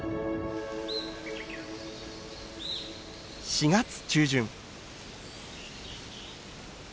４月中旬。